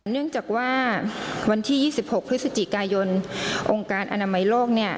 เนื่องจากว่าวันที่๒๖พฤศจิกายนองค์การอนามัยโลก